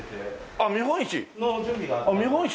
あっ見本市？